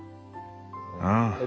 ああ。